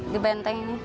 di benteng ini